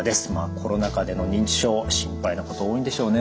コロナ禍での認知症心配なこと多いんでしょうね。